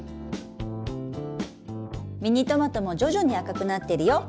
ミニトマトも徐々に赤くなってるよ！